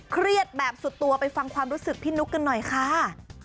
เครียดแบบสุดตัวไปฟังความรู้สึกพี่นุ๊กกันหน่อยค่ะ